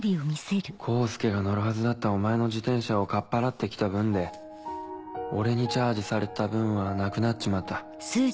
功介が乗るはずだったお前の自転車をかっぱらって来た分で俺にチャージされてた分はなくなっちまった。